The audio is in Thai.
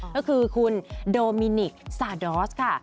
ก็คือคุณโดมินิกซาดอสค่ะ